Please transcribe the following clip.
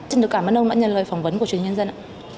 xin cảm ơn ông đã nhận lời phỏng vấn của chuyên nhân dân